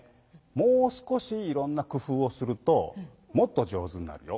もう少しいろんなくふうをするともっと上手になるよ。